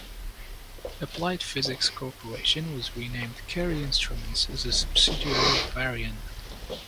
Applied Physics Corporation was renamed Cary Instruments as a subsidiary of Varian.